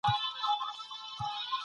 اقتصادي وده بېوزلي له منځه وړي.